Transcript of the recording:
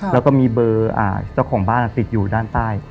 แล้วก็มีเบอร์เจ้าของบ้านติดอยู่ด้านใต้